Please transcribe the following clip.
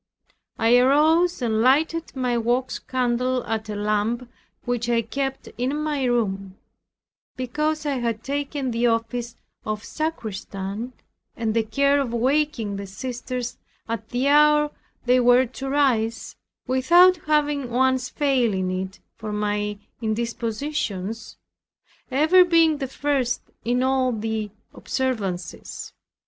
I arose and lighted my wax candle at a lamp which I kept in my room, because I had taken the office of sacristan and the care of waking the sisters at the hour they were to rise, without having once failed in it for my indispositions, ever being the first in all the observances.